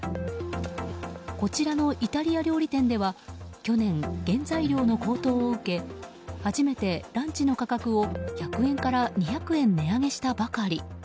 こちらのイタリア料理店では去年、原材料の高騰を受け初めてランチの価格を１００円から２００円値上げしたばかり。